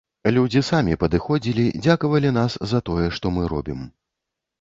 Людзі самі падыходзілі, дзякавалі нас за тое, што мы робім.